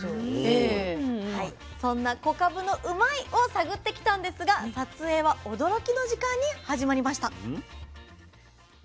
そんな小かぶのうまいッ！を探ってきたんですが撮影は驚きの時間に始まりました。